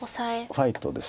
ファイトです